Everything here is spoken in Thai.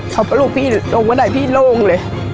เพราะลูกพี่ลงมาใหนพี่ล่วงเลย